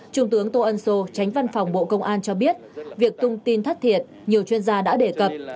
trung tướng tô ân sô tránh văn phòng bộ công an cho biết việc tung tin thất thiệt nhiều chuyên gia đã đề cập